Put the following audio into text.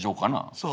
そう。